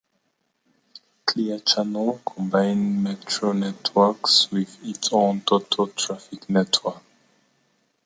Clear Channel combined Metro Networks with its own Total Traffic Networks.